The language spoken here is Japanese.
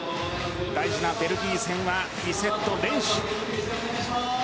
大事なベルギー戦は２セット連取。